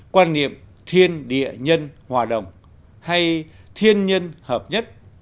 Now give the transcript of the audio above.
quan niệm thiên địa nhân hòa đồng hay thiên nhân hợp nhất